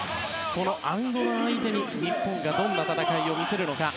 このアンゴラ相手に日本がどんな戦いを見せるか。